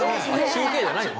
中継じゃないの？